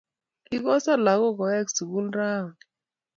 Kikosan lakwek kowok sukul raoni.